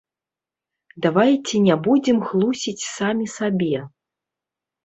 Давайце не будзем хлусіць самі сабе.